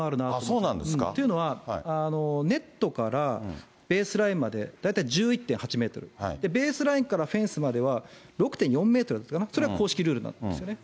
というのは、ネットからベースラインまで大体１１．８メートル、ベースラインからフェンスまでは、６．４メートルかな、それが公式ルールになってるんですよね。